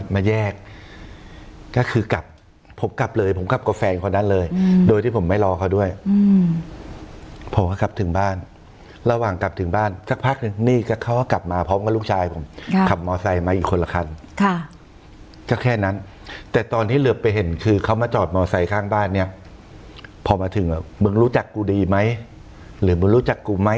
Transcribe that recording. มาแยกก็คือกลับผมกลับเลยผมกลับกับแฟนคนนั้นเลยอืมโดยที่ผมไม่รอเขาด้วยอืมพอเขากลับถึงบ้านระหว่างกลับถึงบ้านสักพักหนึ่งนี่ก็เขากลับมาพร้อมกับลูกชายผมค่ะขับมอสไซค์มาอีกคนละครั้งค่ะก็แค่นั้นแต่ตอนที่เหลือไปเห็นคือเขามาจอดมอสไซค์ข้างบ้านเนี้ยพอมาถึงอะมึงรู้จ